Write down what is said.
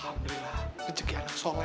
alhamdulillah rezeki anak soleh